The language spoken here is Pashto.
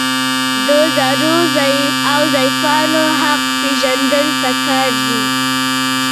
د زړو او ضعیفانو حق پیژندل پکار دي.